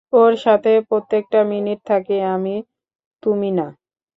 ওর সাথে প্রত্যেকটা মিনিট থাকি আমি, তুমি না!